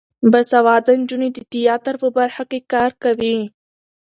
باسواده نجونې د تیاتر په برخه کې کار کوي.